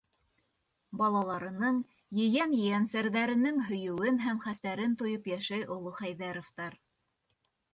Балаларының, ейән-ейәнсәрҙәренең һөйөүен һәм хәстәрен тойоп йәшәй оло Хәйҙәровтар.